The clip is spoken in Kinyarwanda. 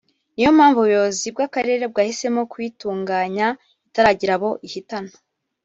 ni yo mpamvu ubuyobozi bw’akarere bwahisemo kuyitunganya itaragira abo ihitana